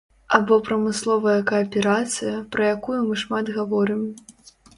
Або прамысловая кааперацыя, пра якую мы шмат гаворым.